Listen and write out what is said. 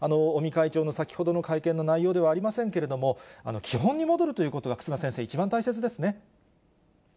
尾身会長の先ほどの会見の内容ではありませんけれども、基本に戻るということが忽那先生、一番大切ですね。